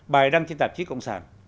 bài đăng trên tạp chức cộng sản